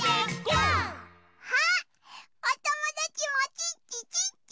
あっおともだちもチッチチッチ！